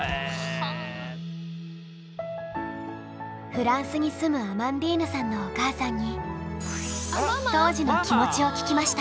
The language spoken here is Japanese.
フランスに住むアマンディーヌさんのお母さんに当時の気持ちを聞きました。